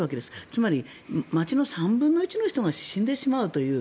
つまり、町の３分の１の人が死んでしまうという。